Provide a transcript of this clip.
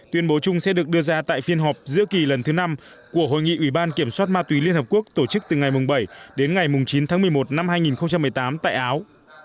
tuyên bố chung sẽ được đưa ra tại phiên họp giữa kỳ lần thứ năm của hội nghị ủy ban kiểm soát ma túy liên hợp quốc tổ chức từ ngày bảy đến ngày chín tháng một mươi một năm hai nghìn một mươi tám tại áo